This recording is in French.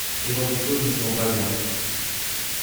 Ce genre de choses ne se vend pas bien.